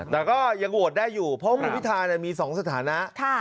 แต่ยังโหวตได้อยู่เพราะว่ามีสี่สถานะ